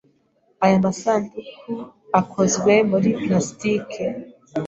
Aya masanduku akozwe muri plastiki.